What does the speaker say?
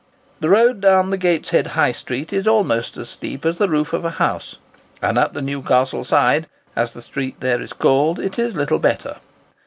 The road down the Gateshead High Street is almost as steep as the roof of a house, and up the Newcastle Side, as the street there is called, it is little better.